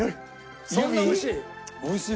そんな美味しい？